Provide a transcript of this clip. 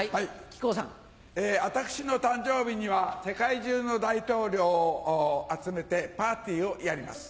私の誕生日には世界中の大統領を集めてパーティーをやります。